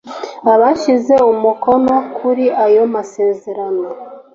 abashyize umukono kuri ayo masezerano